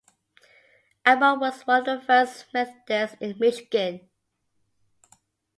Abbott was one of the first Methodists in Michigan.